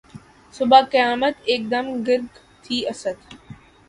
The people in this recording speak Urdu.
صبح قیامت ایک دم گرگ تھی اسدؔ